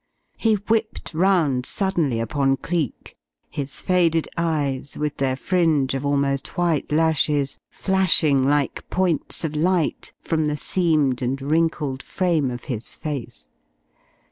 He whipped round suddenly upon Cleek, his faded eyes, with their fringe of almost white lashes, flashing like points of light from the seamed and wrinkled frame of his face.